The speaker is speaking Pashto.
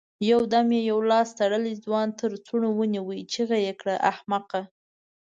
يودم يې يو لاس تړلی ځوان تر څڼو ونيو، چيغه يې کړه! احمقه!